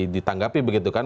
ditanggapi begitu kan